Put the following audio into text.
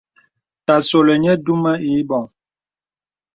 Ta solì nyə̀ dumə ìbɔŋ.